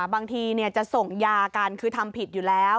บางทีจะส่งยากันคือทำผิดอยู่แล้ว